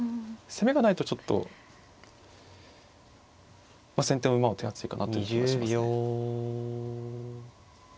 攻めがないとちょっとまあ先手の馬は手厚いかなという気がしますね。